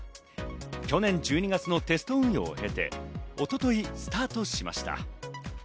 去年１２月のテスト運用を経て、一昨日スタートしました。